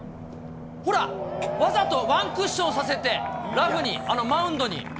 ほら、わざとワンクッションさせて、ラフに、マウンドに。